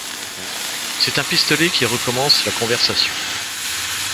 C’est un pistolet qui recommence la conversation.